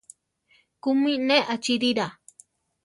¿Kúmi ne achíirira?